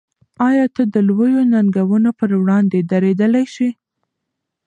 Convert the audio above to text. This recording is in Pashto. آیا ته د لویو ننګونو پر وړاندې درېدلی شې؟